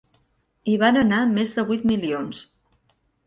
Hi van anar més de vuit milions.